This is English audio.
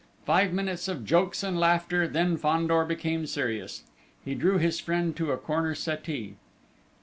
Five minutes of jokes and laughter, then Fandor became serious. He drew his friend to a corner settee.